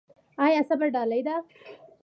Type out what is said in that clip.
آیا صبر ډال دی؟